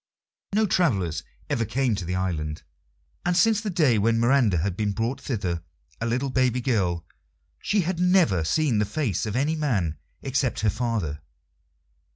No travellers ever came to the island, and since the day when Miranda had been brought thither, a little baby girl, she had never seen the face of any man except her father.